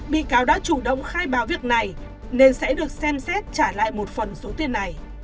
bị cáo đã chủ động khai báo việc này nên sẽ được xem xét trả lại một phần số tiền này